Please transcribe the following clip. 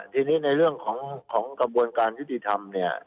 ทีนี้ในเรื่องของกระบวนการยุทธิธรรม